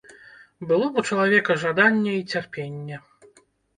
Было б у чалавека жаданне і цярпенне.